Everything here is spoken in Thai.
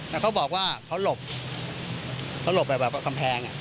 แล้วเขาบอกว่าเขาหลบเขาหลบแบบกำแพง